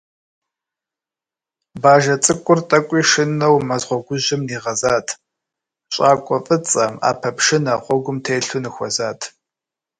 Бажэ цӀыкӀур тӀэкӀуи шынэу мэз гъуэгужьым нигъэзат, щӀакӀуэ фӀыцӀэ, Ӏэпэ пшынэ гъуэгум телъу ныхуэзат.